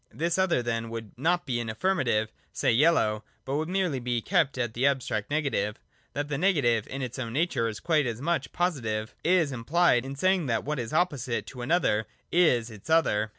This other then would not be an affirmative, say, yellow, but would merely be kept at the abstract negative. — That the Negative in its own nature is quite as much Positive (see next §), is implied in saying that what is opposite to another is its other.